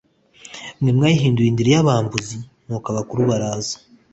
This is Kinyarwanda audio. mwe mwayihinduye indiri y abambuzi Nuko abakuru baraza